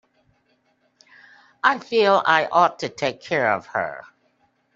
I feel I ought to take care of her.